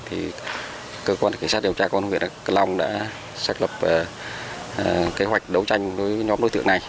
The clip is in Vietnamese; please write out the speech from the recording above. thì cơ quan cảnh sát điều tra công an huyện long đã xác lập kế hoạch đấu tranh với nhóm đối tượng này